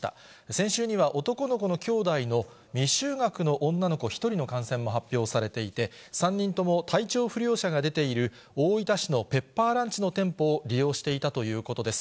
先週には、男の子のきょうだいの未就学の女の子１人の感染も発表されていて、３人とも体調不良者が出ている、大分市のペッパーランチの店舗を利用していたということです。